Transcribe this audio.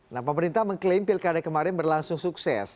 nah pemerintah mengklaim pilkada kemarin berlangsung sukses